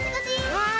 はい！